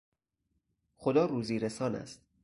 خدا روزیرسان است.